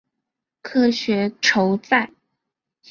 科学酬载